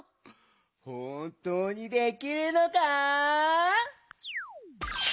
ほんとうにできるのか？